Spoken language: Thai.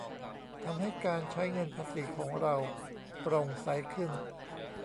ทำให้การใช้เงินภาษีของเราโปร่งใสขึ้น